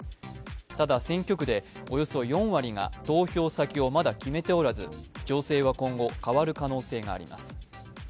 ただ、選挙区でおよそ４割が投票先をまだ決めておらず情勢は今後、変わる可能性があります。